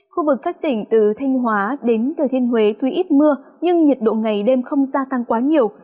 khu vực các tỉnh từ thanh hóa đến thừa thiên huế tuy ít mưa nhưng nhiệt độ ngày đêm không gia tăng quá nhiều